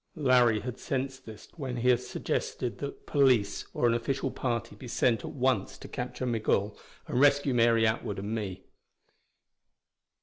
Larry had sensed this when he suggested that police or an official party be sent at once to capture Migul and rescue Mary Atwood and me.